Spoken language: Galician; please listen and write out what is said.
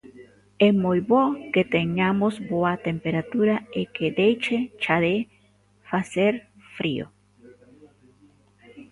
É moi bo, que teñamos boa temperatura e que deixe xa de facer frío.